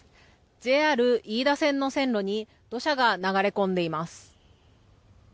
ＪＲ飯田線の線路に土砂が流れ込んでいます。